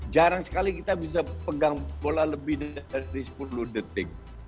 jarang sekali kita bisa pegang bola lebih dari sepuluh detik